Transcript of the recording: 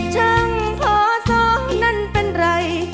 จังพอสอบนั้นเป็นไร